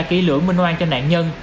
kỹ lưỡi minh oan cho nạn nhân